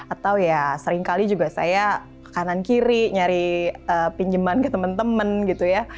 atau ya seringkali juga saya ke kanan kiri nyari pinjeman ke teman teman gitu ya